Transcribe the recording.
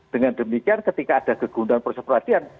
dengan demikian ketika ada kegundahan proses perhatian